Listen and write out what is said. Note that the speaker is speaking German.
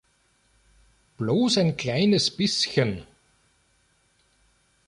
Bloß ein kleines bisschen!